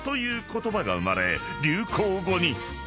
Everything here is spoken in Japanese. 言葉が生まれ流行語に］